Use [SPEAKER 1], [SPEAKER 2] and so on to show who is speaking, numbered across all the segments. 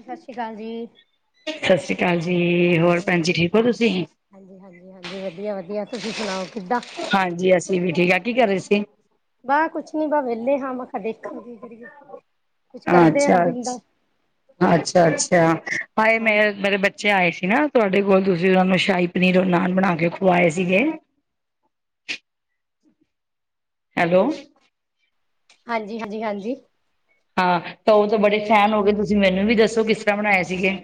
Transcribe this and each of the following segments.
[SPEAKER 1] ਸਤਿ ਸ਼੍ਰੀ ਅਕਾਲ ਜੀ।
[SPEAKER 2] ਸਤਿ ਸ਼੍ਰੀ ਅਕਾਲ ਜੀ, ਹੋਰ ਭੈਣ ਜੀ ਠੀਕ ਔ ਤੁਸੀਂ?
[SPEAKER 1] ਹਾਂਜੀ-ਹਾਂਜੀ-ਹਾਂਜੀ ਵਧੀਆ-ਵਧੀਆ, ਤੁਸੀਂ ਸੁਣਾਓ ਕਿੱਦਾਂ?
[SPEAKER 2] ਹਾਂਜੀ ਅਸੀਂ ਵੀ ਠੀਕ ਆ ਕੀ ਕਰ ਰਹੇ ਸੀ।
[SPEAKER 1] ਵਾਹ ਕੁਛ ਨੀ ਵਾਹ ਵਿਹਲੇ ਹਾਂ ਮੈਂ ਕਿਹਾ ਦੇਖਾ ਕੀ ਕਰੀਏ। ਕੁਛ ਕਰਦੇ ਆ
[SPEAKER 2] ਅੱਛਾ,
[SPEAKER 1] ਦਿਨ ਦਾ
[SPEAKER 2] ਅੱ ਅੱਛਾ ਅੱਛਾ ਹਾਏ ਮੈਂ
[SPEAKER 1] ਹਾਂਜੀ
[SPEAKER 2] ਮੇਰੇ ਬੱਚੇ ਬੱਚੇ ਆਏ ਸੀ ਨਾ ਤੁਹਾਡੇ ਕੋਲ ਤੁਸੀਂ ਉਹਨਾਂ ਨੂੰ ਸ਼ਾਹੀ ਪਨੀਰ ਨਾਨ ਬਣਾ ਕੇ ਖੁਵਾਏ ਸੀਗੇ। ਹੈਲੋ,
[SPEAKER 1] ਹਾਂਜੀ-ਹਾਂਜੀ-ਹਾਂਜੀ,
[SPEAKER 2] ਹਾਂ ਤਾਂ ਉਹ ਤਾਂ ਬੜੇ ਫੈਨ ਹੋ ਗਏ ਤੁਸੀਂ ਮੈਨੂੰ ਵੀ ਦੱਸੋ ਕਿਸ ਤਰ੍ਹਾਂ ਬਣਾਏ ਸੀਗੇ?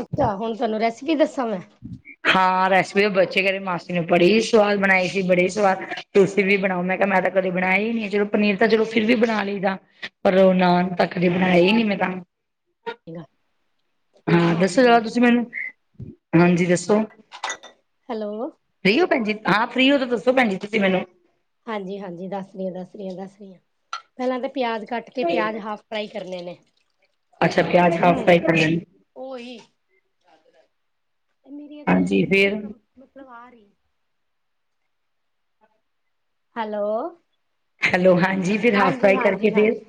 [SPEAKER 1] ਅੱਛਾ ਹੁਣ ਤੁਹਾਨੂੰ ਰੈਸਪੀ ਦੱਸਾਂ ਮੈਂ
[SPEAKER 2] [inaudible] ਹਾਂ ਰੈਸਪੀ ਬਚੇ ਕੇਰੇ ਮਾਸੀ ਨੂੰ ਬੜੀ ਸਵਾਦ ਬਣਾਈ ਸੀ, ਬੜੀ ਸਵਾਦ ਤੁਸੀਂ ਵੀ ਬਣਾਓ ਮੈਂ ਕਿਹਾ ਮੈਂ ਤਾਂ ਕਦੇ ਬਣਾਈ ਈ ਨੀ ਐ ਚਲੋ ਪਨੀਰ ਤਾਂ ਚਲੋ ਫਿਰ ਵੀ ਬਣਾ ਲਈਦਾ। ਪਰ ਉਹ ਨਾਨ ਤੇ ਕਦੀ ਬਣਾਏ ਆ ਈ ਨੀ ਮੈਂ ਤਾਂ ਹਾਂ ਦੱਸੋ
[SPEAKER 1] ਹਾਂਜੀ
[SPEAKER 2] ਜਰਾ ਤੁਸੀਂ ਮੈਨੂੰ, ਹਾਂਜੀ ਦੱਸੋ।
[SPEAKER 1] ਹੈਲੋ,
[SPEAKER 2] ਫ੍ਰੀ ਔ ਭੈਣ ਜੀ ਹਾਂ ਫ੍ਰੀ ਔ ਤਾਂ ਦੱਸੋ ਭੈਣ ਜੀ ਤੁਸੀਂ ਮੈਨੂੰ
[SPEAKER 1] ਹਾਂਜੀ-ਹਾਂਜੀ ਦੱਸ ਰੀ ਆਂ-ਦੱਸ ਰੀ ਆਂ-ਦੱਸ ਰੀ ਆਂ ਪਹਿਲਾਂ ਤਾਂ ਪਿਆਜ ਕੱਟ ਤੇ ਪਿਆਜ ਹਾਫ ਫਰਾਈ ਕਰਨੇ ਨੇ,
[SPEAKER 2] ਅੱਛਾ ਪਿਆਜ ਹਾਫ
[SPEAKER 1] ਹੂੰ।
[SPEAKER 2] ਫਰਾਈ ਕਰ ਲੈਣੀ
[SPEAKER 1] ਉਹੀ, ਮੇਰੀ
[SPEAKER 2] ਹਾਂਜੀ
[SPEAKER 1] ਅਧਿਆਪ
[SPEAKER 2] ਫੇਰ
[SPEAKER 1] 'ਚ ਮਤਲਬ ਆ ਰੀ। ਹੈਲੋ,
[SPEAKER 2] ਹੈਲੋ ਹਾਂਜੀ ਫਿਰ ਹਾਫ
[SPEAKER 1] ਹਾਂਜੀ
[SPEAKER 2] ਫਰਾਈ ਕਰਕੇ
[SPEAKER 1] ਹਾਂਜੀ
[SPEAKER 2] ਫੇਰ
[SPEAKER 1] ਹਾਂਜੀ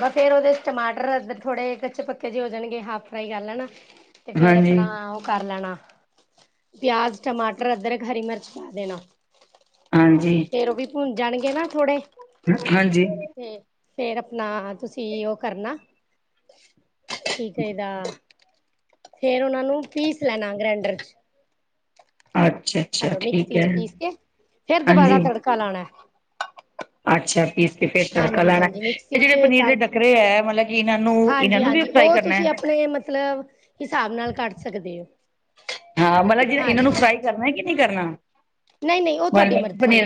[SPEAKER 1] ਬਸ ਫਿਰ ਉਹਦੇ 'ਚ ਟਮਾਟਰ ਅਧ ਥੋੜੇ ਕੱਚੇ ਪੱਕੇ ਜੇ ਹੋ ਜਾਣਗੇ ਹਾਫ ਫਰਾਈ ਕਰ ਲੈਣਾ। ਤੇ ਫੇਰ
[SPEAKER 2] ਹਾਂਜੀ
[SPEAKER 1] ਆਪਣਾ ਉਹ ਕਰ ਲੈਣਾ। ਪਿਆਜ, ਟਮਾਟਰ, ਅਦਰਕ, ਹਰੀ ਮਿਰਚ ਪਾ ਦੇਣਾ
[SPEAKER 2] ਹਾਂਜੀ
[SPEAKER 1] ਫੇਰ ਉਹ ਵੀ ਹੁਣ ਜਾਣਗੇ ਨਾ ਥੋੜੇ
[SPEAKER 2] ਹਾਂਜੀ,
[SPEAKER 1] ਹੂੰ, ਤੇ ਫੇਰ ਆਪਣਾ ਤੁਸੀਂ ਉਹ ਕਰਨਾ। ਠੀਕ ਏਦਾ, ਫੇਰ ਉਹਨਾਂ ਨੂੰ ਪੀਸ ਲੈਣਾ ਗ੍ਰੈਂਡਰ 'ਚ
[SPEAKER 2] ਅੱਛਾ, ਅੱਛਾ
[SPEAKER 1] ਹੈਲੋ
[SPEAKER 2] ਠੀਕ
[SPEAKER 1] ਮਿਕਸੀ 'ਚ
[SPEAKER 2] ਹੈ
[SPEAKER 1] ਪੀਸ ਕੇ, ਫੇਰ ਦੁਬਾਰਾ
[SPEAKER 2] ਹਾਂਜੀ
[SPEAKER 1] ਤੜਕਾ ਲਾਣਾ।
[SPEAKER 2] [inaudible] ਅੱਛਾ ਪੀਸ ਕੇ ਫਿਰ ਤੜਕਾ ਲਾਣਾ
[SPEAKER 1] ਹਾਂਜੀ-ਹਾਂਜੀ
[SPEAKER 2] ਤੇ
[SPEAKER 1] ਮਿਕਸੀ
[SPEAKER 2] ਜਿਹੜੇ
[SPEAKER 1] ਚ
[SPEAKER 2] ਪਨੀਰ ਦੇ
[SPEAKER 1] ਕਰ
[SPEAKER 2] ਡੱਕਰੇ ਐ ਮਤਲਬ ਕਿ ਇਹਨਾਂ ਨੂੰ ਇਹਨਾਂ ਨੂੰ ਵੀ
[SPEAKER 1] ਹਾਂਜੀ-ਹਾਂਜੀ
[SPEAKER 2] ਫਰਾਈ
[SPEAKER 1] ਉਹ
[SPEAKER 2] ਕਰਨਾ ਹੈ
[SPEAKER 1] ਤੁਸੀਂ ਆਪਣੇ ਮਤਲਬ, ਹਿਸਾਬ ਨਾਲ ਕੱਟ ਸਕਦੇ ਔ।
[SPEAKER 2] ਹਾਂ ਮਤਲਬ ਜੇ ਇਹਨਾਂ ਨੂੰ ਫਰਾਈ ਕਰਨਾ ਕਿ ਨਈ ਕਰਨਾ
[SPEAKER 1] ਨਹੀਂ-ਨਹੀਂ ਉਹ ਤੁਹਾਡੀ
[SPEAKER 2] ਮਤਲਬ
[SPEAKER 1] ਮਰਜ਼ੀ ਏ
[SPEAKER 2] ਪਨੀਰ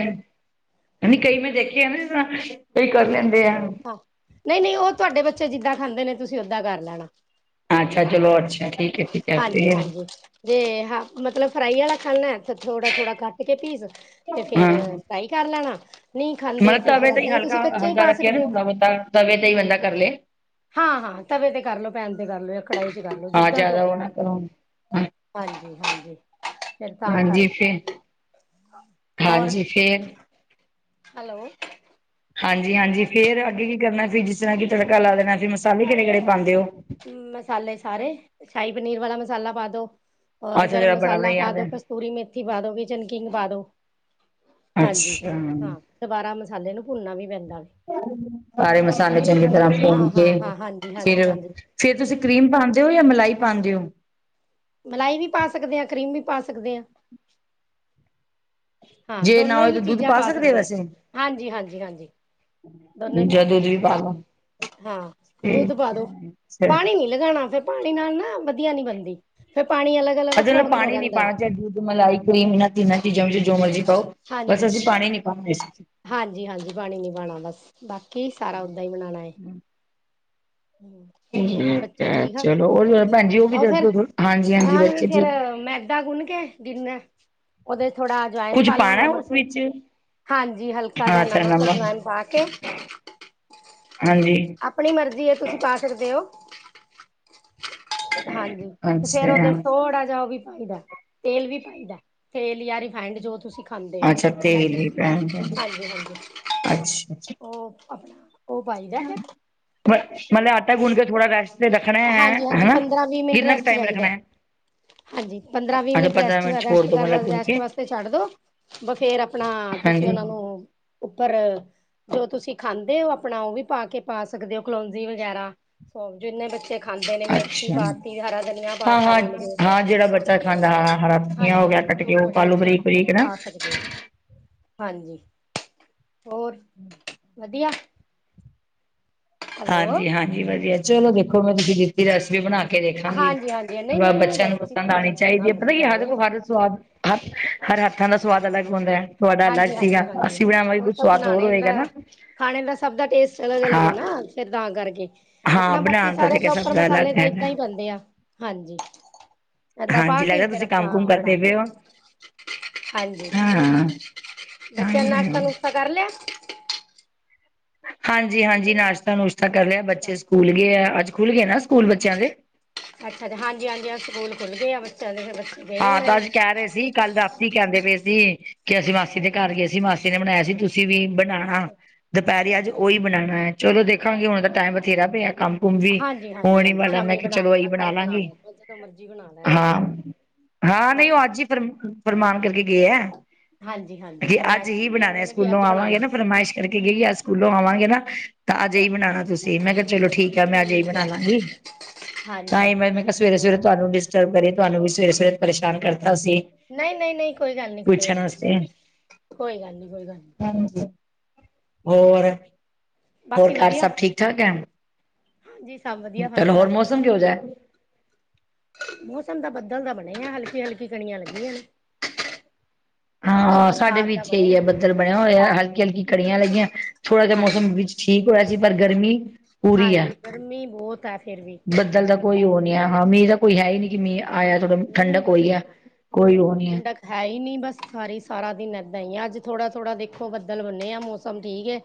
[SPEAKER 2] ਕਈ ਮੈਂ ਦੇਖਿਆ ਨਾ ਕਈ ਕਰ ਲੈਂਦੇ ਆ।
[SPEAKER 1] ਨਹੀਂ-ਨਹੀਂ ਉਹ ਤੁਹਾਡੇ ਬੱਚੇ ਜਿੱਦਾਂ ਖਾਂਦੇ ਨੇ ਤੁਸੀਂ ਓਦਾਂ ਕਰ ਲੈਣਾ।
[SPEAKER 2] ਅੱਛਾ ਚਲੋ ਅੱਛਾ।
[SPEAKER 1] ਹਾਂਜੀ-ਹਾਂਜੀ, ਜੇ ਹ ਮਤਲਬ ਫਰਾਈ ਆਲਾ ਖਾਣਾ। ਥੋੜਾ-ਥੋੜ੍ਹਾ ਕੱਟ ਕੇ ਪੀਸ, ਤੇ ਫੇਰ ਫਰਾਈ ਕਰ ਲੈਣਾ ਨੀ ਖਾ
[SPEAKER 2] ਮ ਤਵੇ ਤੇ ਹੀ ਹਲਕਾ-ਹਲਕਾ ਰੱਖ ਕੇ ਨਾ ਹਲਕਾ ਤਵੇ ਤੇ ਈ ਬੰਦਾ ਕਰ ਲਏ।
[SPEAKER 1] ਹਾਂ-ਹਾਂ ਹਾਂ ਤਵੇ ਤੇ ਕਰ ਲੋ ਪੈਨ ਤੇ ਕਰ ਲਓ ਯਾ ਕੜਾਈ ਚ ਕਰ ਲਓ ਜਿਦਾਂ
[SPEAKER 2] ਜਾਦਾ ਓ ਨਾ ਕਰੋ।
[SPEAKER 1] ਹਾਂਜੀ-ਹਾਂਜੀ ਫੇਰ ਤਾਂ
[SPEAKER 2] ਹਾਂਜੀ ਫਿਰ
[SPEAKER 1] ਕਰਕੇ ਹੋਰ
[SPEAKER 2] ਹਾਂਜੀ ਫੇਰ
[SPEAKER 1] ਹੈਲੋ।
[SPEAKER 2] ਹਾਂਜੀ-ਹਾਂਜੀ ਫੇਰ ਅੱਗੇ ਕੀ ਕਰਨਾ ਸੀ ਜਿਸਰਾਂ ਕਿ ਤੜਕਾ ਲਾ ਦੇਣਾ ਫੇਰ ਮਸਾਲੇ ਕੇੜੇ-ਕੇੜੇ ਪਾਂਦੇ ਓ।
[SPEAKER 1] ਮਸਾਲੇ ਸਾਰੇ ਸ਼ਾਹੀ ਪਨੀਰ ਵਾਲਾ ਮਸਾਲਾ ਪਾ ਦੋ। ਔਰ
[SPEAKER 2] ਅੱਛਾ
[SPEAKER 1] ਗਰਮ
[SPEAKER 2] ਜਿਹੜਾ ਬਣਾ
[SPEAKER 1] ਮਸਾਲਾ
[SPEAKER 2] ਬਣਾਈ
[SPEAKER 1] ਪਾ ਦੋ
[SPEAKER 2] ਆਉਂਦਾ
[SPEAKER 1] ਕਸਤੂਰੀ ਮੇਥੀ ਪਾ ਦੋ ਕਿਚਨਕਿੰਗ ਪਾ ਦੋ। ਹਾਂਜੀ
[SPEAKER 2] ਅੱਛਾ
[SPEAKER 1] ਹਾਂ ਦਬਾਰਾ ਮਸਾਲੇ ਨੂੰ ਭੁੰਨਨਾ ਵੀ ਪੈਂਦਾ ਵੇ
[SPEAKER 2] ਸਾਰੇ ਮਸਾਲੇ
[SPEAKER 1] ਹਾਂਜੀ
[SPEAKER 2] ਚੰਗੀ ਤਰ੍ਹਾਂ ਭੁੰਨ
[SPEAKER 1] ਹਾਂ
[SPEAKER 2] ਕੇ
[SPEAKER 1] ਹਾਂ ਹਾਂ ਹਾਂਜੀ ਹਾਂਜੀ
[SPEAKER 2] ਫਿਰ
[SPEAKER 1] ਹਾਂਜੀ
[SPEAKER 2] ਫੇਰ ਤੁਸੀ ਕਰੀਮ ਪਾਂਦੇ ਓ ਯਾ ਮਲਾਈ ਪਾਂਦੇ ਓ।
[SPEAKER 1] ਮਲਾਈ ਵੀ ਪਾ ਸਕਦੇ ਆਂ ਕਰੀਮ ਵੀ ਪਾ ਸਕਦੇ ਆਂ। ਹਾਂ
[SPEAKER 2] ਜੇ ਨਾ
[SPEAKER 1] ਦੋਨੋ
[SPEAKER 2] ਹੋਏ ਤਾਂ
[SPEAKER 1] ਹੀ
[SPEAKER 2] ਦੁੱਧ
[SPEAKER 1] ਚੀਜਾਂ ਪਾ
[SPEAKER 2] ਹੋ।
[SPEAKER 1] ਸਕਦੇ ਆ।
[SPEAKER 2] ਵੈਸੇ
[SPEAKER 1] ਹਾਂਜੀ-ਹਾਂਜੀ-ਹਾਂਜੀ। ਦੋਨੇ ਪਾ,
[SPEAKER 2] ਜਾਂ ਦੁੱਧ ਵੀ ਪਾ ਲਓ
[SPEAKER 1] ਹਾਂ ਦੁੱਧ ਪਾ ਦੋ ਪਾਣੀ ਨੀ ਲਗਾਣਾ ਫਿਰ ਪਾਣੀ ਨਾਲ ਨਾ ਵਧੀਆ ਨੀ ਬਣਦੀ ਫਿਰ ਪਾਣੀ ਅਲੱਗ ਅਲੱਗ
[SPEAKER 2] ਅਸੀ
[SPEAKER 1] ਵੱਖਰਾ
[SPEAKER 2] ਮਤਲਬ
[SPEAKER 1] ਵੱਖਰਾ
[SPEAKER 2] ਪਾਣੀ ਨੀ
[SPEAKER 1] ਰਹਿੰਦਾ ਹੈ
[SPEAKER 2] ਪਾਣਾ ਚਾਏ ਦੁੱਧ ਮਲਾਈ ਕਰ੍ਰੀਮ ਏਨਾਂ ਤਿੰਨਾ ਚੀਜ਼ਾਂ ਵਿੱਚੋਂ ਜੋ ਮਰਜੀ ਪਾਓ ਬਸ ਅਸੀ ਪਾਣੀ ਨੀ ਪਾਂਦੇ ਸੀ।
[SPEAKER 1] ਹਾਂਜੀ-ਹਾਂਜੀ ਪਾਣੀ ਨੀ ਪਾਣਾ ਬਸ ਬਾਕੀ ਸਾਰਾ ਓਦਾਂ ਈ ਬਨਾਣਾ ਏ। ਹੋਰ
[SPEAKER 2] ਠੀਕ
[SPEAKER 1] ਬੱਚੇ
[SPEAKER 2] ਹੈ
[SPEAKER 1] ਠੀਕ ਆ?
[SPEAKER 2] ਚਲੋ ਹੋਰ ਭੈਣ ਜੀ ਉਹ ਵੀ
[SPEAKER 1] ਓ
[SPEAKER 2] ਦੱਸ
[SPEAKER 1] ਫੇਰ
[SPEAKER 2] ਦੋ ਹਾਂਜੀ ਹਾਂਜੀ
[SPEAKER 1] ਨਾਨ ਵੀ
[SPEAKER 2] ਬੱਚੇ
[SPEAKER 1] ਫੇਰ
[SPEAKER 2] ਠੀਕ
[SPEAKER 1] ਮੈਦਾ ਗੁੰਨ ਕੇ ਗਿੰਨੈ ਓਦੇ ਥੋੜਾ ਜਵੈਨ
[SPEAKER 2] ਕੁੱਝ
[SPEAKER 1] ਪਾਲੋ
[SPEAKER 2] ਪਾਣਾ
[SPEAKER 1] ਨਮਕ
[SPEAKER 2] ਉਸ ਵਿੱਚ
[SPEAKER 1] ਹਾਂਜੀ ਹਲਕਾ ਜਾਂ ਨਮਕ ਅਜਵਾਏਨ ਪਾ ਕੇ,
[SPEAKER 2] ਹਾਂਜੀ।
[SPEAKER 1] ਆਪਣੀ ਮਰਜੀ ਏ ਤੁਸੀ ਪਾ ਸਕਦੇ ਓ। ਹਾਂਜੀ ਤੇ ਫੇਰ
[SPEAKER 2] ਅੱਛਾ
[SPEAKER 1] ਓਦੇ ਚ ਥੋੜਾ ਜਾ ਓ ਵੀ ਪਾਈਦੈ। ਤੇਲ ਵੀ ਪਾਈਦੈ। ਤੇਲ ਯਾ ਰਿਫਾਇੰਡ ਜੋ ਤੁਸੀ ਖਾਂਦੇ ਓ।
[SPEAKER 2] ਅੱਛਾ ਤੇਲ ਵੀ ਪੈਨ।
[SPEAKER 1] ਹਾਂਜੀ-ਹਾਂਜੀ ਓ ਅਪ ਓ ਪਾਈਦੈ ਫੇਰ
[SPEAKER 2] ਮ ਮਲਬ ਆਟਾ ਗੁੰਨ ਕੇ ਥੋੜ੍ਹਾ ਰੈਸਟ ਤੇ ਰੱਖਣਾ ਐ
[SPEAKER 1] ਹਾਂਜੀ ਹਾਂਜੀ
[SPEAKER 2] ਹੈਨਾ
[SPEAKER 1] ਪੰਦਰਾਂ ਵੀਹ ਮਿੰਟ
[SPEAKER 2] ਕਿੰਨਾ ਕੁ
[SPEAKER 1] ਰੈਸਟ
[SPEAKER 2] ਟਾਈਮ ਰੱਖਣਾ
[SPEAKER 1] ਚਾਹੀਦਾ
[SPEAKER 2] ਐ?
[SPEAKER 1] ਹਾਂਜੀ ਪੰਦਰਾਂ-ਵੀਹ ਮਿੰਟ ਰੈਸਟ
[SPEAKER 2] ਛੋੜ
[SPEAKER 1] ਰੈਸਟ
[SPEAKER 2] ਦੋ ਮਤਲਬ ਗੁੰਨ ਕੇ
[SPEAKER 1] ਰੈਸਟ ਵਾਸਤੇ ਛੱਡ ਦੋ, ਬ ਫੇਰ ਫੇਰ ਅਪਣਾ ਤੁਸੀ
[SPEAKER 2] ਹਾਂਜੀ
[SPEAKER 1] ਓਨਾਂ ਨੂੰ ਉਪਰ ਜੋ ਤੁਸੀ ਖਾਂਦੇ ਓ ਅਪਣਾ ਓ ਵੀ ਪਾ ਕੇ ਪਾ ਸਕਦੇ ਓ ਕਲੋਂਜੀ ਵਗੈਰਾ ਸੋ ਜਿੰਨੇ ਬੱਚੇ ਖਾਂਦੇ ਨੇ ਮੇਥੀ
[SPEAKER 2] ਅੱਛਾ
[SPEAKER 1] ਪਾਤੀ ਹਰਾ ਧਨੀਆ ਪਾਤਾ
[SPEAKER 2] ਹਾਂ-ਹਾਂ,
[SPEAKER 1] ਵੇਲ ਕੇ
[SPEAKER 2] ਹਾਂ ਜੇੜਾ ਬੱਚਾ ਖਾਂਦਾ ਹਾਂ ਹਰਾ ਧਨੀਆ ਹੋ
[SPEAKER 1] ਹਾਂਜੀ
[SPEAKER 2] ਗੇਆ।
[SPEAKER 1] ਹਾਂਜੀ
[SPEAKER 2] ਕੱਟ
[SPEAKER 1] ਜੋ
[SPEAKER 2] ਕੇ ਓ
[SPEAKER 1] ਤੁਹਾਡੇ
[SPEAKER 2] ਪਾਲੋ
[SPEAKER 1] ਬੱਚੇ
[SPEAKER 2] ਬਰੀਕ
[SPEAKER 1] ਖਾਂਦੇ ਨੇ
[SPEAKER 2] ਬਰੀਕ ਨਾ।
[SPEAKER 1] ਪਾ ਹਾਂਜੀ, ਹੋਰ ਵਧੀਆ। ਹੈਲੋ
[SPEAKER 2] ਹਾਂਜੀ-ਹਾਂਜੀ ਵਧੀਆ ਚਲੋ ਦੇਖੋ ਮੈਂ ਤੁਸੀ ਰੈਸਪੀ ਬਣਾ ਕੇ ਦੇਖਾਂਗੀ।
[SPEAKER 1] ਹਾਂਜੀ ਹਾਂਜੀ ਨਹੀਂ
[SPEAKER 2] ਬ
[SPEAKER 1] ਨਹੀਂ ਨਹੀਂ
[SPEAKER 2] ਬੱਚੇਆਂ ਨੂੰ
[SPEAKER 1] ਰੈਸਪੀ ਤੇ
[SPEAKER 2] ਪਸੰਦ ਆਣੀ
[SPEAKER 1] ਟਰਾਈ
[SPEAKER 2] ਚਾਈਦੀ
[SPEAKER 1] ਕਰਨਾ
[SPEAKER 2] ਏ। ਪਤਾ ਕੀ ਏ
[SPEAKER 1] ਵਧੀਆ
[SPEAKER 2] ਹਰ ਰੋਜ ਹਰ ਸਵਾਦ ਹਰ ਹਰ ਹੱਥਾਂ ਦਾ ਸਵਾਦ ਅਲੱਗ ਹੁੰਦਾ ਐ। ਤੁਵਾਡਾ ਅਲੱਗ
[SPEAKER 1] ਹਾਂਜੀ ਹਾਂਜੀ
[SPEAKER 2] ਸੀਗਾ।
[SPEAKER 1] ਹਾਂਜੀ
[SPEAKER 2] ਅਸੀ ਬਨਾਵਾਂਗੇ ਵੀ
[SPEAKER 1] ਉਹ
[SPEAKER 2] ਕੁੱਛ
[SPEAKER 1] ਤਾਂ
[SPEAKER 2] ਸਵਾਦ ਹੋਰ
[SPEAKER 1] ਬਣਾਣੇ
[SPEAKER 2] ਹੋਏਗਾ
[SPEAKER 1] ਦਾ
[SPEAKER 2] ਨਾ।
[SPEAKER 1] ਖਾਣੇ ਦਾ ਸਭ ਦਾ ਟੇਸਟ ਅਲੱਗ-ਅਲੱਗ
[SPEAKER 2] ਹਾਂ,
[SPEAKER 1] ਏ ਨਾ ਫੇਰ ਤਾਂ ਕਰਕੇ।
[SPEAKER 2] ਹਾਂ
[SPEAKER 1] ਅਪਣਾ ਬਾਕੀ
[SPEAKER 2] ਬਣਾਣ ਦਾ
[SPEAKER 1] ਸਾਰੇ
[SPEAKER 2] ਤਰੀਕਾ ਸਭ
[SPEAKER 1] ਪ੍ਰੋਪਰ ਮਸਾਲੇ
[SPEAKER 2] ਅਲੱਗ
[SPEAKER 1] ਦਾ ਏਦਾਂ
[SPEAKER 2] ਹੈਗਾ।
[SPEAKER 1] ਈ ਪਾਂਦੇ ਆ ਹਾਂਜੀ। ਏਦਾਂ ਪਾ
[SPEAKER 2] ਹਾਂਜੀ
[SPEAKER 1] ਕੇ
[SPEAKER 2] ਲੱਗਦਾ
[SPEAKER 1] ਫੇਰ
[SPEAKER 2] ਤੁਸੀਂ ਕੰਮ
[SPEAKER 1] ਅਪਣਾ
[SPEAKER 2] ਕੁਮ ਕਰਦੇ
[SPEAKER 1] ਬਣਾਦੋ।
[SPEAKER 2] ਪਏ ਹੋ ਹਾਂ।
[SPEAKER 1] ਬੱਚੇਆਂ ਨੇ ਨਾਸ਼ਤਾ-ਨੁਸ਼ਤਾ ਕਰ ਲੇਆ?
[SPEAKER 2] ਹਾਂਜੀ-ਹਾਂਜੀ ਨਾਸ਼ਤਾ-ਨੁਸ਼ਤਾ ਕਰ ਲੇਆ
[SPEAKER 1] ਅੱਛਾ
[SPEAKER 2] ਬੱਚੇਆ ਨੇ, ਸਕੂਲ ਗਏ ਆ ਅੱਜ ਖੁੱਲ ਗਏ ਨਾ ਸਕੂਲ ਬੱਚੇਆਂ ਦੇ।
[SPEAKER 1] ਅੱਛਾ-ਅੱਛਾ, ਹਾਂਜੀ-ਹਾਂਜੀ ਅੱਜ ਸਕੂਲ ਖੁੱਲ੍ਹਗੇ ਆ ਬੱਚੇਆਂ ਦੇ, ਫੇਰ ਬੱਚੇ ਗਏ
[SPEAKER 2] ਹਾਂ
[SPEAKER 1] ਹੋਣੇ
[SPEAKER 2] ਤਾਂ
[SPEAKER 1] ਨੇ।
[SPEAKER 2] ਅੱਜ ਕਹਿ ਰਹੇ ਸੀ ਕੱਲ ਰਾਤੀ ਕੈਂਦੇ ਪਏ ਸੀ ਕਿ ਅਸੀਂ ਮਾਸੀ ਦੇ ਘਰ ਗਏ ਸੀਂ ਮਾਸੀ ਨੇ ਬਣਾਯਾ ਸੀ ਤੁਸੀਂ ਵੀ ਬਣਾਣਾ।
[SPEAKER 1] ਅੱਛਾ ਅੱਛਾ
[SPEAKER 2] ਦੁਪੈਰੇ ਅੱਜ
[SPEAKER 1] ਅੱਛਾ ਅੱਛਾ
[SPEAKER 2] ਓਈ ਬਣਾਣਾ ਐ, ਚੱਲੋ ਦੇਖਾਂਗੀ ਹੁਣ ਤਾਂ ਟਾਈਮ ਬਥੇਰਾ ਪੇਆ ਕੰਮ ਕੁਮ ਵੀ
[SPEAKER 1] ਹਾਂਜੀ-ਹਾਂਜੀ,
[SPEAKER 2] ਹੋਣ ਹੀ
[SPEAKER 1] ਹਾਂਜੀ
[SPEAKER 2] ਵਾਲਾ ਮੈਂ
[SPEAKER 1] ਸ਼ਾਮੀ
[SPEAKER 2] ਕਿਹਾ
[SPEAKER 1] ਬਣਾ
[SPEAKER 2] ਚਲੋ ਇਹੀ
[SPEAKER 1] ਲੈਣਾ, ਕਲ ਬਣਾ
[SPEAKER 2] ਲਾਂਗੀ
[SPEAKER 1] ਲੈਣਾ ਜਦੋਂ ਮਰਜੀ ਬਣਾ ਲੈਣਾ।
[SPEAKER 2] ਹਾਂ ਹਾਂ ਨਈ ਓ
[SPEAKER 1] ਹਾਂਜੀ
[SPEAKER 2] ਅੱਜ ਈ ਫਰ ਫਰਮਾਨ ਕਰਕੇ ਗਏ ਐ।
[SPEAKER 1] ਹਾਂਜੀ-ਹਾਂਜੀ ਫਰਮਾਇਸ਼ ਕਿਤੀ ਓਨਾਂ ਨੇ ਵੀ
[SPEAKER 2] ਸਕੂਲੋਂ
[SPEAKER 1] ਅੱਜ।
[SPEAKER 2] ਆਵਾਂਗੇ
[SPEAKER 1] ਬਣਾਉਣਾ
[SPEAKER 2] ਨਾ ਫਰਮਾਇਸ਼ ਕਰਕੇ ਗਈ ਆ ਸਕੂਲੋਂ ਆਵਾਂਗੇ ਨਾ ਤਾਂ ਅੱਜ ਏ ਈ
[SPEAKER 1] ਅੱਛਾ
[SPEAKER 2] ਬਣਾਣਾ ਤੁਸੀਂ ਮੈਂ ਕੇਆ ਚੱਲੋ ਠੀਕ ਐ ਮੈਂ ਅੱਜ ਏ ਈ ਬਣਾ ਲਾਂਗੀ। ਤਾਂ
[SPEAKER 1] ਹਾਂਜੀ
[SPEAKER 2] ਈ ਮੈਂ, ਮੈਂ ਕੇਆ
[SPEAKER 1] ਵਧੀਆ
[SPEAKER 2] ਸਵੇਰੇ-ਸਵੇਰੇ
[SPEAKER 1] ਗੱਲ ਹੈ
[SPEAKER 2] ਤੁਆਨੂੰ ਡਿਸਟਰਬ ਕਰੀਏ ਤੁਆਨੂੰ ਵੀ ਸਵੇਰੇ-ਸਵੇਰੇ ਪ੍ਰੇਸ਼ਾਨ ਕਰਤਾ ਅਸੀ।
[SPEAKER 1] ਨਈ-ਨਈ, ਨਈ ਕੋਈ ਗੱਲ ਨੀ, ਕੋਈ ਗੱਲ ਨੀ, ਕੋਈ ਗੱਲ ਨੀ, ਕੋਈ ਗੱਲ ਨੀ। ਹਮ
[SPEAKER 2] ਹੋਰ, ਹੋਰ
[SPEAKER 1] ਬਾਕੀ
[SPEAKER 2] ਘਰ
[SPEAKER 1] ਵਧੀਆ
[SPEAKER 2] ਸਭ ਠੀਕ-ਠਾਕ ਐ?
[SPEAKER 1] ਹਾਂਜੀ ਸਭ ਵਧੀਆ ਫਸਟ
[SPEAKER 2] ਚੱਲੋ ਹੋਰ
[SPEAKER 1] ਕਲਾਸ
[SPEAKER 2] ਮੌਸਮ ਕਿਹੋ ਜਯਾ ਐ?
[SPEAKER 1] ਮੌਸਮ ਤਾਂ ਬੱਦਲ ਦਾ ਬਣੇਆ ਹਲਕੀ-ਹਲਕੀ ਕਣੀਆਂ ਲੱਗੀਆਂ ਨੇ।
[SPEAKER 2] ਹਾਂ ਸਾਡੇ ਵੀ
[SPEAKER 1] ਬਰਸਾਤ ਦਾ
[SPEAKER 2] ਇੱਥੇ
[SPEAKER 1] ਬਣੇ
[SPEAKER 2] ਏਈ
[SPEAKER 1] ਆ
[SPEAKER 2] ਐ, ਬੱਦਲ ਬਣਿਆ ਹੋਏਆ ਹਲਕੀ-ਹਲਕੀ ਕਨੀਆ ਲੱਗੀਆਂ ਥੋੜਾ ਜਾ ਮੌਸਮ
[SPEAKER 1] ਹਾਂਜੀ
[SPEAKER 2] ਵਿੱਚ ਠੀਕ ਹੋਏਆ ਸੀ ਪਰ ਗਰਮੀ ਪੂਰੀ ਹੈ
[SPEAKER 1] ਹਾਂਜੀ, ਗਰਮੀ ਬੋਤ ਐ।
[SPEAKER 2] ਬੱਦਲ ਦਾ ਕੋਈ ਓ ਨੀ ਆ ਹਾਂ ਮੀਂ ਦਾ ਕੋਈ ਹੈ ਈ ਨੀ ਕਿ ਮੀਂ ਆਇਆ,
[SPEAKER 1] ਹਾਂਜੀ
[SPEAKER 2] ਥੋੜੀ
[SPEAKER 1] ਨਹੀਂ
[SPEAKER 2] ਠੰਡਕ ਹੋਈ ਆ ਕੋਈ ਓ ਨੀ ਐ।
[SPEAKER 1] ਠੰਡਕ ਹੈ ਈ ਨੀ, ਬਸ ਸਾਰੀ ਸਾਰਾ ਦਿਨ ਏਦਾਂ ਈ ਆ, ਅੱਜ ਥੋੜਾ-ਥੋੜਾ ਦੇਖੋ, ਬੱਦਲ ਬਨੇਆ, ਮੌਸਮ ਠੀਕ ਏ।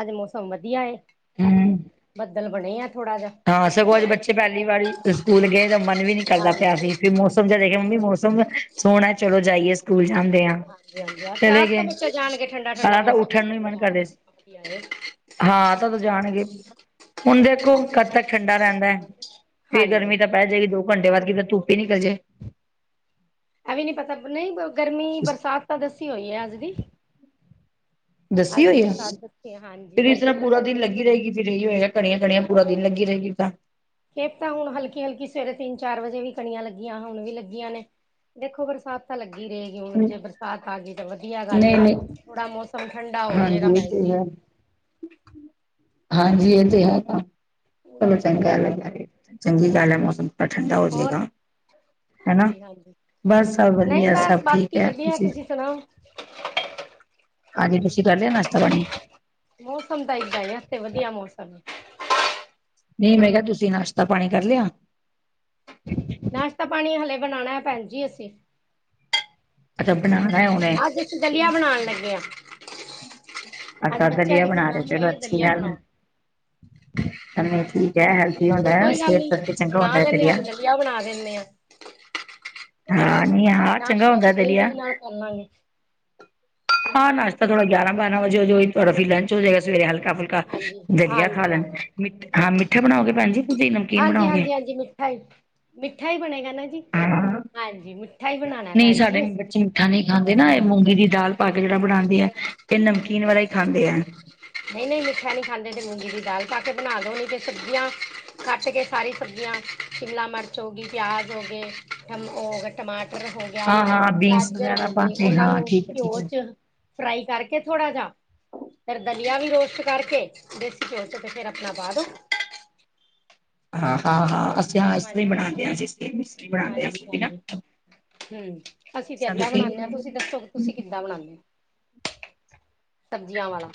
[SPEAKER 1] ਅੱਜ ਮੌਸਮ ਵਦੀਆ ਏ,
[SPEAKER 2] ਹਮ
[SPEAKER 1] ਬੱਦਲ ਬਣੇਆ ਥੋੜਾ ਜਾ।
[SPEAKER 2] ਹਾਂ ਸਗੋਂ ਅੱਜ ਬੱਚੇ ਪੈਲੀ ਵਾਰੀ ਸਕੂਲ ਗਏ ਤਾਂ ਮਨ ਵੀ ਨੀ ਕਰਦਾ ਪਯਾ
[SPEAKER 1] ਹਾਂਜੀ
[SPEAKER 2] ਸੀ ਫਿਰ ਮੌਸ ਸਮ ਜੇ ਦੇਖੇਆ, ਮੰਮੀ ਮੌਸਮ ਸੋਣਾ ਐ ਚੱਲੋ ਜਾਈਏ। ਸਕੂਲ ਜਾਂਦੇ ਆਂ,
[SPEAKER 1] ਹਾਂਜੀ ਹਾਂਜੀ
[SPEAKER 2] ਚੱਲੇ
[SPEAKER 1] ਆਪ ਤਾਂ
[SPEAKER 2] ਗਏ
[SPEAKER 1] ਬੱਚਾ ਜਾਣ ਕੇ ਠੰਡਾ ਠੰਡਾ
[SPEAKER 2] ਪੈਲਾਂ ਤਾਂ
[SPEAKER 1] ਮੌਸਮ
[SPEAKER 2] ਉੱਠਣ ਨੂੰ ਈ
[SPEAKER 1] ਸਕੂਲ
[SPEAKER 2] ਮਨ ਕਰ
[SPEAKER 1] ਜਾਣ
[SPEAKER 2] ਰਯਾ
[SPEAKER 1] ਗਿਆ
[SPEAKER 2] ਸੀ।
[SPEAKER 1] ਵਧੀਆ ਏ
[SPEAKER 2] ਹਾਂ ਤਾਂ ਓਦੋਂ
[SPEAKER 1] ਹਾਂਜੀ
[SPEAKER 2] ਜਾਣਗੇ ਹੁਨ ਦੇਖੋ ਕਦ ਤੱਕ ਠੰਡਾ ਰੈਂਦਾ ਐ ਫੇਰ ਗਰਮੀ
[SPEAKER 1] ਹਾਂਜੀ
[SPEAKER 2] ਤਾਂ ਪੈ ਜਾਏਗੀ ਦੋ ਘੰਟੇ ਬਾਦ ਕਿਤੇ ਧੁੱਪ ਈ ਨਿਕਲ ਜੇ।
[SPEAKER 1] ਐ ਵੀਂ ਨੀ ਪਤਾ, ਨਈ ਗਰਮੀ ਬਰਸਾਤ ਤਾਂ ਦੱਸੀ ਹੋਈ ਐ ਅੱਜ ਦੀ।
[SPEAKER 2] ਦੱਸੀ
[SPEAKER 1] ਅੱਜ ਦੀ
[SPEAKER 2] ਹੋਈ ਆ।
[SPEAKER 1] ਬਰਸਾਤ ਦੱਸੀ ਐ ਹਾਂਜੀ।
[SPEAKER 2] [unintelligible] ਪੂਰਾ ਦਿਨ ਲੱਗੀ ਰਏਗੀ, [unintelligible] ਕਣੀਆਂ ਕਣੀਆਂ ਪੂਰਾ ਦਿਨ ਲੱਗੀ ਰਏਗੀ ਫਿਰ ਤਾਂ।
[SPEAKER 1] ਏ ਤਾਂ ਹੁਣ ਹਲਕੀ-ਹਲਕੀ ਸਵੇਰੇ ਤਿੰਨ ਚਾਰ ਵਜੇ ਵੀ ਕਣੀਆਂ ਲੱਗੀਆਂ ਹੁਣ ਵੀ ਲੱਗੀਆਂ ਨੇ। ਦੇਖੋ ਬਰਸਾਤ ਤਾਂ ਲੱਗੀ ਰਏਗੀ ਹੁਣ ਜੇ ਬਰਸਾਤ ਆ ਗੀ ਤਾਂ ਵਧੀਆ ਗੱਲ
[SPEAKER 2] ਨਹੀਂ
[SPEAKER 1] ਏ
[SPEAKER 2] ਨਹੀਂ
[SPEAKER 1] ਥੋੜਾ ਮੌਸਮ ਸਮ ਠੰਡਾ ਹੋ ਜੇਗਾ
[SPEAKER 2] ਹਾਂਜੀ ਇਹ
[SPEAKER 1] ਭੈਨ
[SPEAKER 2] ਤੇ
[SPEAKER 1] ਜੀ।
[SPEAKER 2] ਹੈ ਹਾਂਜੀ ਏ ਤੇ ਹੈਗਾ, ਚੱਲੋ ਚੰਗਾ [unintelligible] ਚੰਗੀ ਗੱਲ ਐ, ਮੌਸਮ ਤਾਂ ਠੰਡਾ ਹੋ
[SPEAKER 1] ਹੋਰ
[SPEAKER 2] ਜੇਗਾ। ਹੈਨਾ,
[SPEAKER 1] ਹਾਂਜੀ ਹਾਂਜੀ
[SPEAKER 2] ਬਸ ਸਭ
[SPEAKER 1] ਨਹੀਂ
[SPEAKER 2] ਵਧੀਆ, ਸਭ
[SPEAKER 1] ਬਸ
[SPEAKER 2] ਠੀਕ
[SPEAKER 1] ਬਾਕੀ
[SPEAKER 2] ਐ,
[SPEAKER 1] ਵਧੀਆ
[SPEAKER 2] ਤੁਸੀਂ
[SPEAKER 1] ਸੁਣਾਓ
[SPEAKER 2] ਹਾਂਜੀ
[SPEAKER 1] ਹਮ
[SPEAKER 2] ਤੁਸੀਂ ਕਰ ਲੇਆ ਨਾਸ਼ਤਾ ਪਾਣੀ?
[SPEAKER 1] ਮੌਸਮ ਤਾਂ ਇਦਾਂ ਈ ਐ, ਅੱਜ ਤੇ ਵਧੀਆ ਮੌਸਮ ਏ।
[SPEAKER 2] ਨਈ ਮੈਂ ਕੇਆ ਤੁਸੀਂ ਨਾਸ਼ਤਾ ਪਾਣੀ ਕਰ ਲੇਆ?
[SPEAKER 1] ਨਾਸ਼ਤਾ ਪਾਣੀ ਹਲੇ ਬਣਣਾ ਐ ਭੈਨ ਜੀ ਅਸੀਂ।
[SPEAKER 2] ਅੱਛਾ ਬਣਾਣਾ ਹੁਣੇ।
[SPEAKER 1] ਅੱਜ ਅਸੀਂ ਦਲੀਆ ਬਣਾਣ ਲੱਗੇ ਆ।
[SPEAKER 2] ਅੱਛਾ ਦਲੀਆ ਬਣਾ ਰੇ,
[SPEAKER 1] ਫਰਮਾਇਸ਼
[SPEAKER 2] ਚੱਲੋ
[SPEAKER 1] ਆਈ ਹੈ
[SPEAKER 2] ਅੱਛੀ
[SPEAKER 1] ਦਲੀਆ
[SPEAKER 2] ਗੱਲ ਏ।
[SPEAKER 1] ਬਣਾਓ
[SPEAKER 2] [unintelligible] ਠੀਕ ਐ,
[SPEAKER 1] ਮੈਂ
[SPEAKER 2] ਹੈਲਥੀ ਹੁੰਦਾ, ਸੇਹਤ ਵਾਸਤੇ ਚੰਗਾ ਹੁੰਦਾ ਐ ਦਲੀਆ।
[SPEAKER 1] ਵੀਆ ਬਣਾ ਦੇਨੀ ਆਂ।
[SPEAKER 2] ਹਾਂ ਨੀ ਹਾਂ ਚੰਗਾ ਹੋਂਦਾ ਦਲੀਆ।
[SPEAKER 1] ਓਨਾਂ ਗੇ
[SPEAKER 2] ਹਾਂ ਨਾਸ਼ਤਾ ਥੋੜਾ ਗੇਆਰਾ-ਬਾਰਾਂ ਵਜੇ ਹੋਜੇ ਓਹੀ ਤੁਹਾਡਾ ਬਈ ਲਂਚ ਹੋ ਜਾਏਗਾ ਸਵੇਰੇ ਹਲਕਾ ਫੁਲ ਕਾ
[SPEAKER 1] ਹਾਂਜੀ
[SPEAKER 2] ਦਲੀਆ ਖਾ
[SPEAKER 1] ਹਾਂਜੀ
[SPEAKER 2] ਲੈਣ
[SPEAKER 1] ਹਾਂਜੀ
[SPEAKER 2] ਮਿਠ ਹਾਂ ਮਿੱਠਾ ਬਣਾਓਗੇ ਭੈਣ ਜੀ ਤੁਸੀ ਨਮਕੀਨ
[SPEAKER 1] ਹਾਂਜੀ ਹਾਂਜੀ
[SPEAKER 2] ਬਣਾਓਗੇ।
[SPEAKER 1] ਹਾਂਜੀ ਹਾਂਜੀ ਮਿੱਠਾ ਹੀ ਮਿੱਠਾ ਈ ਬਣੇਗਾ ਨਾ ਜੀ,
[SPEAKER 2] ਹਾਂ
[SPEAKER 1] ਹਾਂਜੀ ਮਿੱਠਾ ਈ ਬਣਾਣੈ ਭੈਣ ਜੀ।
[SPEAKER 2] ਮੱਠਾ ਨਈ ਖਾਂਦੇ ਨਾ ਏਹ ਮੂੰਗੀ ਦੀ ਦਾਲ ਪਾਕੇ ਜੇਹੜਾ ਬਣਾਦੀ ਐ, ਏਹ ਨਮਕੀਨ ਵਾਲਾ ਈ ਖਾਂਦੇ ਐ।
[SPEAKER 1] ਨਂਈ-ਨਂਈ ਮਿੱਠਾ ਨੀ ਖਾਂਦੇ ਤੇ ਮੂੰਗੀ ਦੀ ਦਾਲ ਪਾ ਕੇ ਬਣਾ ਦੋਣੀ ਤੇ ਸਬਜ਼ੀਆਂ ਕੱਟ ਕੇ ਸਾਰੀ ਸਬਜ਼ੀਆਂ ਸ਼ਿਮਲਾ ਮਰਚ ਹੋ ਗਈ ਪਿਆਜ ਹੋ ਗਏ ਮ ਓ ਟਮਾਟਰ ਹੋ ਗੇਆ,
[SPEAKER 2] ਹਾਂ ਹਾਂ ਬੀਨਸ
[SPEAKER 1] ਗਾਜਰ
[SPEAKER 2] ਵਗੈਰਾ
[SPEAKER 1] ਹੋ
[SPEAKER 2] ਪਾ
[SPEAKER 1] ਗਈ
[SPEAKER 2] ਕੇ
[SPEAKER 1] ਓਹਨਾਂ ਨੂੰ
[SPEAKER 2] ਹਾਂ ਠੀਕ ਹੈ ਠੀਕ
[SPEAKER 1] ਘਿਓ
[SPEAKER 2] ਹੈ
[SPEAKER 1] ਚ ਫਰਾਈ ਕਰਕੇ ਥੋੜਾ ਜਾ ਦਲੀਆ ਵੀ ਰੋਸਟ ਕਰਕੇ, ਦੇਸੀ ਘਯੋ ਤੇ ਫੇਰ ਆਪਣਾ ਪਾ ਦੋ।
[SPEAKER 2] ਹਾਂ-ਹਾਂ-ਹਾਂ ਅਸੀਂ ਹਾਂ ਇਸ ਤਰਾਂ ਈ
[SPEAKER 1] ਹਾਂਜੀ
[SPEAKER 2] ਬਣਾਣੇ ਆਂ ਅਸੀ ਇਸ ਤਰਾਂ ਬਣਾਣੇ ਅਸੀ ਵੀ ਨਾ
[SPEAKER 1] ਹੂਂ ਅਸੀਂ ਤੇ ਏਦਾਂ ਬਣਾਣੇ ਆਂ ਤੁਸੀਂ ਦੱਸੋ ਕਿ ਤੁਸੀਂ ਕਿੱਦਾਂ ਬਣਾਣੇ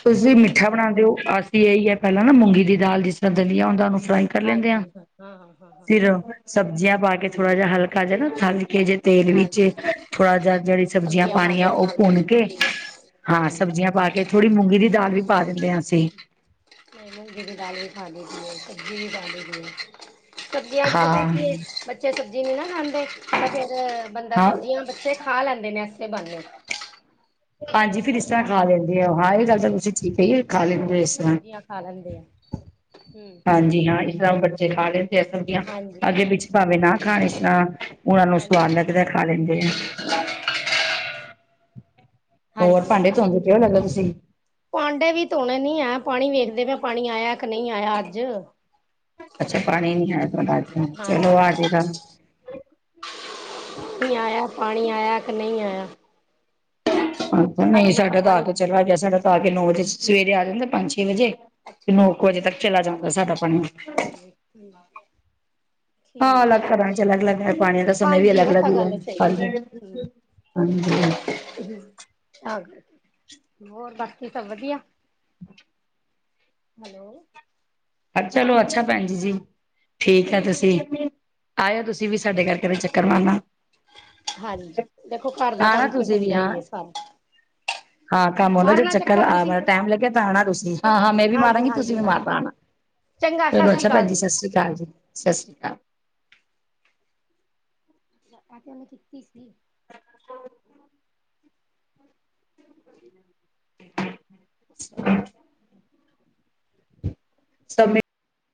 [SPEAKER 2] ਤੁਸੀਂ ਮਿੱਠਾ ਬਣਾਂਦੇ ਓ ਅਸੀਂ ਏਹੀ ਐ ਪੈਹਲਾਂ ਨਾ ਮੂੰਗੀ ਦੀ ਦਾਲ ਜਿਸ ਤਰ੍ਹਾਂ ਦਲਿਯਾ ਹੁਂਦੈ ਓਨੂੰ ਫਰਾਈ ਕਰ ਲੈਂਦੇ ਹਾਂ
[SPEAKER 1] ਹਾਂਜੀ ਹਾ-ਹਾਂ, ਹਾਂ-ਹਾਂ
[SPEAKER 2] ਫਿਰ ਸਬਜ਼ੀਆਂ ਪਾ ਕੇ ਥੋੜਾ ਜੇਹਾ ਹਲਕਾ ਜਯਾ ਨਾ ਤਲੱਕੇ ਜੇ ਤੇਲ ਵਿੱਚ
[SPEAKER 1] ਹਾਂਜੀ
[SPEAKER 2] ਥੋੜਾ ਜੇਆ ਜੇਹੜੀ ਸਬਜ਼ੀਆਂ
[SPEAKER 1] ਪਾ ਕੇ
[SPEAKER 2] ਪਾਣੀਆਂ ਓ
[SPEAKER 1] ਬਣਾ ਲਓ
[SPEAKER 2] ਭੁੰਨ ਕੇ
[SPEAKER 1] ਠੀਕ ਹੈ
[SPEAKER 2] ਹਾਂ ਸਬਜ਼ੀਆਂ ਪਾ ਕੇ ਥੋੜ੍ਹੀ ਮੂੰਗੀ ਦੀ ਦਾਲ ਵੀ ਪਾ ਦੇਂਦੇ ਆਂ ਅਸੀਂ।
[SPEAKER 1] ਮੈਂ ਮੁਂਗੀ ਦੀ ਦਾਲ ਵੀ ਖਾਦੀ ਸੀ ਸਬਜ਼ੀ [unintelligible] ਸਬਜ਼ੀਆਂ ਚ ਪਤਾ
[SPEAKER 2] ਹਾਂ
[SPEAKER 1] ਕੀ, ਬੱਚੇ ਸਬਜ਼ੀ ਨੀ ਨਾ ਖਾਂਦੇ, ਤਾਂ ਫੇਰ ਬੰਦਾ
[SPEAKER 2] ਹਾਂ
[SPEAKER 1] ਸਬਜ਼ੀਆਂ ਬੱਚੇ ਖਾ ਲੈਂਦੇ ਨੇ ਐਸੇ ਬ੍ਹਾਨੇ
[SPEAKER 2] ਹਾਂਜੀ ਫਿਰ ਇਸ ਤਰ੍ਹਾਂ ਖਾ ਲੈਂਦੇ ਓ ਹਾਂ
[SPEAKER 1] ਹਾਂਜੀ
[SPEAKER 2] ਇਹ ਗੱਲ ਤਾਂ ਤੁਸੀਂ ਠੀਕ ਕਹੀ ਏ। ਖਾ
[SPEAKER 1] ਹੂੰ
[SPEAKER 2] ਲੇਂਦੇ ਇਸ ਤਰ੍ਹਾਂ,
[SPEAKER 1] ਸਬਜ਼ੀਆਂ ਖਾ ਲੈਂਦੇ ਆ ਹੂੰ ਹੂੰ
[SPEAKER 2] ਹਾਂਜੀ ਹਾਂ ਇਸ ਤਰ੍ਹਾਂ ਬੱਚੇ ਖਾਲੇ ਸਕਦੀਆਂ
[SPEAKER 1] ਹਾਂਜੀ
[SPEAKER 2] ਅੱਗੇ ਵਿੱਚ ਭਾਵੇਂ ਨਾ ਖਾਣ, ਇਸ ਤਰ੍ਹਾਂ ਓਹਨਾਂ ਨੂੰ
[SPEAKER 1] ਹਾਂਜੀ
[SPEAKER 2] ਸਵਾਦ ਲੱਗਦੈ ਖਾ ਲੈਂਦੇ ਆ।
[SPEAKER 1] [inaudible]
[SPEAKER 2] ਹੋਰ ਭਾਂਡੇ ਧੋਂਦੇ ਕਿਉਂ ਲੱੜਦੇ ਤੁਸੀਂ।
[SPEAKER 1] ਪਾਂਡੇ ਵੀ ਧੋਣੇ ਨੀ ਐ, ਪਾਣੀ ਵੇਖਦੇ ਮੈਂ ਪਾਣੀ ਆਇਆ ਕਿ ਨਈ ਆਇਆ ਅੱਜ।
[SPEAKER 2] ਅੱਛਾ ਪਾਣੀ ਨੀ ਆਇਆ ਤੁਹਾਡਾ ਆਜ, ਚਲੋ
[SPEAKER 1] ਹਾਂਜੀ
[SPEAKER 2] ਆਜੇਗਾ।
[SPEAKER 1] ਨਈ ਆਏਆ ਪਾਣੀ ਆਇਆ ਕਿ ਨਈ ਆਏਆ।
[SPEAKER 2] ਆਂਦਾ ਨਂਈ
[SPEAKER 1] ਕਿਹਾ
[SPEAKER 2] ਸਾਡਾ ਤਾਂ ਆ
[SPEAKER 1] ਪਾਣੀ
[SPEAKER 2] ਕੇ ਚਲਾ ਗੈਆ ਸਾਡਾ ਤਾਂ ਆ ਕੇ ਨੌ ਵਜੇ ਸਵੇਰੇ ਆ ਜਾਂਦੈ ਪੰਜ-ਛੇ ਵਜੇ ਤੇ
[SPEAKER 1] ਅੱਛਾ
[SPEAKER 2] ਨੌ ਕੁ ਵਜੇ ਤੱਕ ਚਲਾ ਜਾਂਦੈ ਸਾਡਾ ਪਾਣੀ।
[SPEAKER 1] [inaudible]
[SPEAKER 2] ਹਾਂ
[SPEAKER 1] ਠੀਕ
[SPEAKER 2] ਅਲੱਗ ਸੈ਼ਰਾਂ ਚ ਅਲੱਗ-ਅੱਲਗ ਹੈ ਪਾਣੀਆਂ ਦਾ ਸਮੇਂ ਵੀ
[SPEAKER 1] ਹਾਂਜੀ ਉਹ
[SPEAKER 2] ਅਲੱਗ-ਅਲੱਗ
[SPEAKER 1] ਤਾਂ
[SPEAKER 2] ਈ ਐ
[SPEAKER 1] ਗੱਲ ਸਹੀ ਹੈ
[SPEAKER 2] ਹਾਂਜੀ।
[SPEAKER 1] ਹਮ
[SPEAKER 2] ਹਾਂਜੀ-ਹਾਂਜੀ।
[SPEAKER 1] ਹੋਰ ਬਾਕੀ ਸਬ ਵਦੀਆ। ਹੈਲੋ।
[SPEAKER 2] ਅਛਾ ਚਲੋ ਅੱਛਾ ਭੈਣ ਜੀ, ਠੀਕ ਐ ਤੁਸੀਂ? ਆਇਓ ਤੁਸੀਂ ਵੀ ਸਾਡੇ ਘਰ ਕਦੇ ਚੱਕਰ ਮਾਰਨਾ।
[SPEAKER 1] ਹਾਂਜੀ, ਦੇਖੋ ਘਰ ਦਾ
[SPEAKER 2] ਆਣਾ
[SPEAKER 1] ਕੰਮ ਤੇ
[SPEAKER 2] ਤੁਸੀਂ ਵੀ
[SPEAKER 1] ਹੁੰਦਾ
[SPEAKER 2] ਹਾਂ
[SPEAKER 1] ਈ ਐ ਸਾਰਾ
[SPEAKER 2] ਹਾਂ ਕੰਮ ਆਉਂਦਾ ਜੇ
[SPEAKER 1] ਮਾਰਨਾ
[SPEAKER 2] ਚੱਕਰ
[SPEAKER 1] ਤੁਸੀਂ
[SPEAKER 2] ਆ ਟਾਈਮ ਲੱਗਿਆ ਤਾਂ ਆਣਾ ਤੁਸੀਂ ਹਾਂ-ਹਾਂ ਮੈਂ ਵੀ
[SPEAKER 1] ਹਾਂਜੀ
[SPEAKER 2] ਮਾਰਾਂਗੀ ਤੁਸੀਂ
[SPEAKER 1] ਹਾਂਜੀ
[SPEAKER 2] ਵੀ
[SPEAKER 1] ਹਾਂਜੀ
[SPEAKER 2] ਮਾਰਨਾ ਆਣਾ।
[SPEAKER 1] ਚੰਗਾ ਸਤਿ
[SPEAKER 2] ਚਲੋ
[SPEAKER 1] ਸ਼੍ਰੀ
[SPEAKER 2] ਅੱਛਾ
[SPEAKER 1] ਅਕਾਲ
[SPEAKER 2] ਭੈਣਜੀ,
[SPEAKER 1] ਜੀ
[SPEAKER 2] ਸਸ ਸ੍ਰੀ ਕਾਲ ਜੀ, ਸਸ ਸ੍ਰੀ ਕਾਲ।
[SPEAKER 1] ਆਹ ਤੇ ਓਹਨੇ ਕੀਤੀ ਸੀ।
[SPEAKER 2] ਸਮੇ